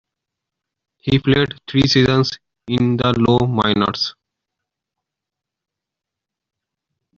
He played three seasons in the low minors.